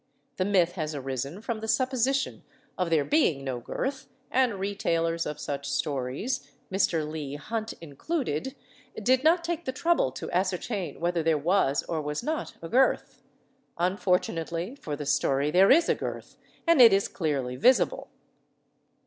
The myth has arisen from the supposition of there being no girth, and retailers of such stories, Mr. Leigh Hunt included, did not take the trouble to ascertain whether there was or was not a girth. Unfortunately for the story there is a girth, and it is clearly visible.